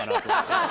ハハハ！